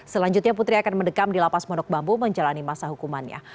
selanjutnya putri akan mendekam di lapas pondok bambu menjalani masa hukumannya